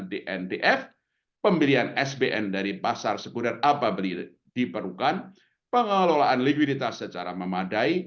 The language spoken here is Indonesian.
dndf pembelian sbn dari pasar sekunder apa beli diperlukan pengelolaan likuiditas secara memadai